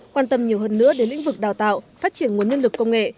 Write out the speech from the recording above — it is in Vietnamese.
quan tâm nhiều hơn nữa đến lĩnh vực đào tạo phát triển nguồn nhân lực công nghệ